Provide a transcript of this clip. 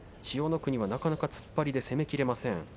千代の国はなかなか突っ張りで攻めきれません。